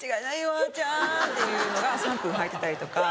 あーちゃん！」っていうのが３分入ってたりとか。